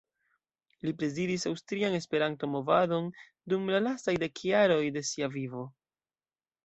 Li prezidis Aŭstrian Esperanto-Movadon dum la lastaj dek jaroj de sia vivo.